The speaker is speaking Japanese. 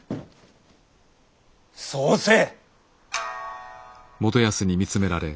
そうせい。